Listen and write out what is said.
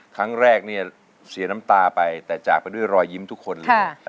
ครั้งแรกนี้เสียน้ำตาไป๔แต่จากวันนี้จะรอยยิ้มทุกคนเลย